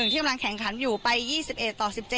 ที่กำลังแข่งขันอยู่ไป๒๑ต่อ๑๗